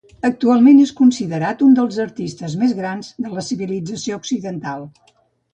Actualment és considerat un dels artistes més grans de la civilització occidental.